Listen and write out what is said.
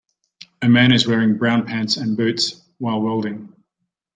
A man is wearing brown pants and boots, while welding.